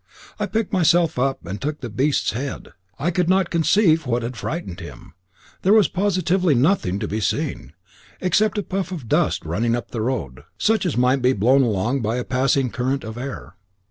I picked myself up, and took the beast's head. I could not conceive what had frightened him; there was positively nothing to be seen, except a puff of dust running up the road, such as might be blown along by a passing current of air.